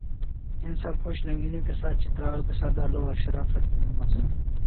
ان سب خوش رنگینیوں کے ساتھ چترال کے سادہ لوح اور شرافت کی نعمت سے